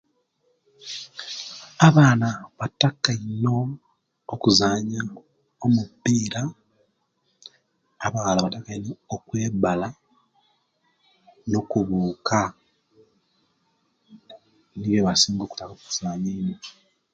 Abaana battaka ino okuzanya omupira abawala attaka ino okwebala no kubuka nibiyo ebibasinga okuttaka okuzanya ino